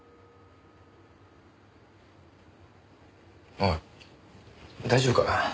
おい大丈夫か？